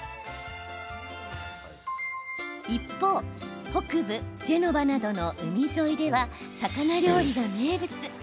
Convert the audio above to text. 一方、北部ジェノバなどの海沿いでは、魚料理が名物。